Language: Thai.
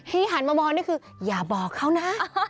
หันมามองนี่คืออย่าบอกเขานะ